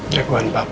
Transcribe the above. ya buan papa